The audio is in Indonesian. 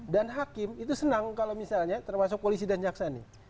dan hakim itu senang kalau misalnya termasuk polisi dan jaksani